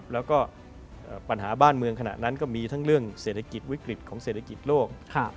แล้วก็ปัญหาบ้านเมืองขณะนั้นก็มีทั้งเรื่องเศรษฐกิจวิกฤตของเศรษฐกิจโลก